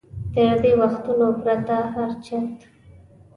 تر دې وختونو پرته هر چت.